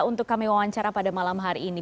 untuk kami wawancara pada malam hari ini